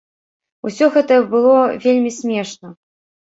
Усё гэта было вельмі смешна.